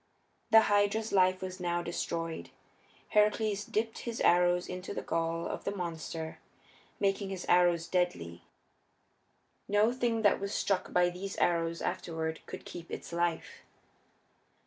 The Hydra's life was now destroyed. Heracles dipped his arrows into the gall of the monster, making his arrows deadly; no thing that was struck by these arrows afterward could keep its life.